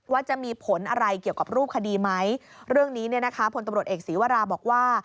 ว่าจะมีผลอะไรเกี่ยวกับรูปคดีไหมเรื่องนี้พตเอกศีวราบอกว่า